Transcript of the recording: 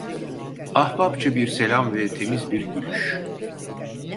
Ahbapça bir selam ve temiz bir gülüş…